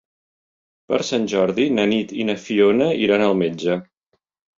Per Sant Jordi na Nit i na Fiona iran al metge.